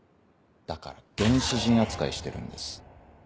だから原始人扱いしてるんです。